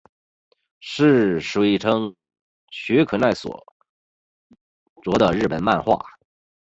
是水城雪可奈所着的日本漫画。